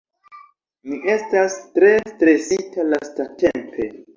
Mi estas tro stresita lastatempe